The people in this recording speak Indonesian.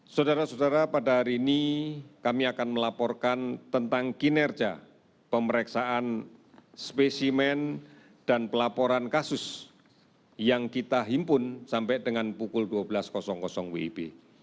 saudara saudara pada hari ini kami akan melaporkan tentang kinerja pemeriksaan spesimen dan pelaporan kasus yang kita himpun sampai dengan pukul dua belas wib